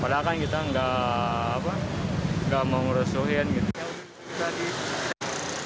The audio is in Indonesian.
padahal kan kita gak mau ngurusin gitu